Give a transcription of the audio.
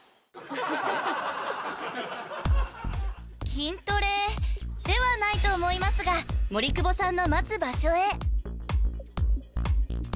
［筋トレではないと思いますが森久保さんの待つ場所へ］